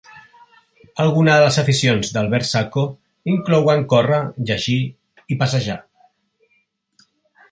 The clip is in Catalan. Alguna de les aficions d'Albert Sacco inclouen córrer, llegir i passejar.